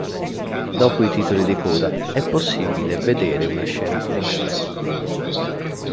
Dopo i titoli di coda è possibile vedere una scena extra.